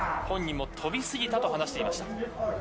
本人も飛び過ぎたと話していました。